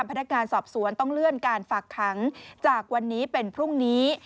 พนักงานสอบสวนต้องเลื่อนการฝากขังจากวันนี้เป็นพรุ่งนี้